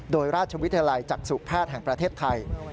โดยราชวิทยาลัยจักษุแพทย์แห่งประเทศไทย